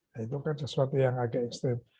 nah itu kan sesuatu yang agak ekstrim